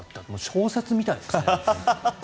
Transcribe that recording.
小説みたいですね。